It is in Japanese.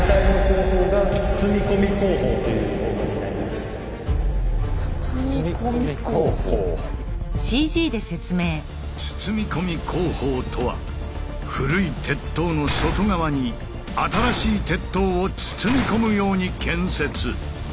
でこちらの包み込み工法とは古い鉄塔の外側に新しい鉄塔を包み込むように建設。